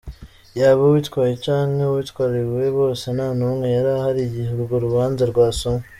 Yaba uwitwaye canke uwitwariwe, bose nta numwe yarahari igihe urwo rubanza rwasomwa.